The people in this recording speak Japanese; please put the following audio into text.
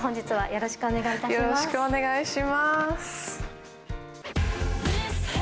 よろしくお願いします。